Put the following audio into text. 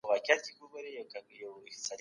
خوب د بدن طبیعي حق دی.